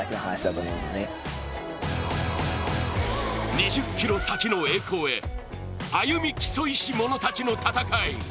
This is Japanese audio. ２０ｋｍ先の栄光へ、歩み競いしものたちの戦い。